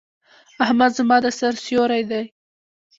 احمد زما د سر سيور دی.